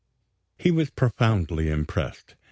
He was profoundly impressed.